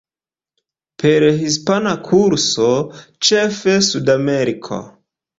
Per hispana kurso, ĉefe Sudameriko.